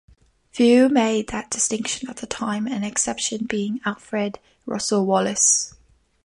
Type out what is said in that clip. Few made that distinction at the time, an exception being Alfred Russel Wallace.